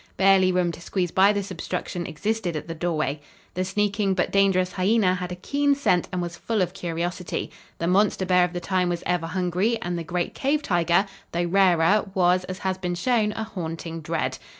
Barely room to squeeze by this obstruction existed at the doorway. The sneaking but dangerous hyena had a keen scent and was full of curiosity. The monster bear of the time was ever hungry and the great cave tiger, though rarer, was, as has been shown, a haunting dread.